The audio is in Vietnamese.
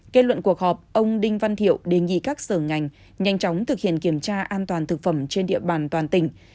kết luận cuộc họp ông đinh văn thiệu đề nghị các sở ngành nhanh chóng thực hiện kiểm tra an toàn thực phẩm trên địa bàn toàn tỉnh